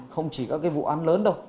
không chỉ có cái vụ ăn lớn đâu